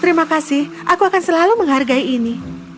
terima kasih aku akan selalu menghargai ini